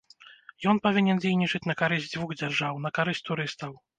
Ён павінен дзейнічаць на карысць дзвюх дзяржаў, на карысць турыстаў.